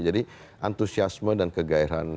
jadi antusiasme dan kegairahan